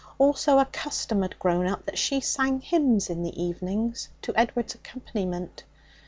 Also, a custom had grown up that she sang hymns in the evenings to Edward's accompaniment.